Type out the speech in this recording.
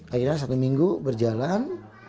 akhirnya satu minggu berjalan